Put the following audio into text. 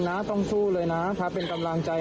เราต้องผ่านให้มันไปได้กันคุณยม